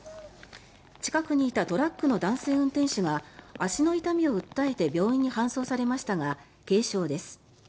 近くにいたトラックの男性運転手が足の痛みを訴えて病院に搬送されましたが軽傷です。